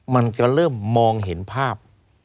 มันก็เริ่มมองเห็นภาพ